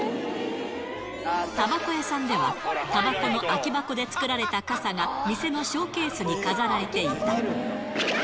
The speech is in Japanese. たばこ屋さんでは、たばこの空き箱で作られた傘が、店のショーケースに飾られていた。